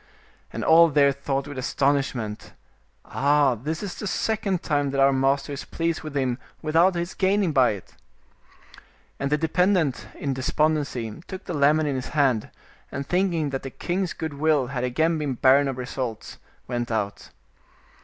And all there thought with astonish ment — "Ah! this is the second time that our master is pleased with him without his gaining by it." And the de pendent, in despondency, took the lemon in his hand, and thinking that the king's good will had again been barren of results, went out.